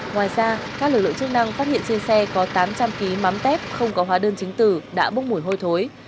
ngoài ra các lực lượng chức năng phát hiện trên xe có tám trăm linh kg mắm tép không có hóa đơn chứng tử đã bốc mùi hôi thối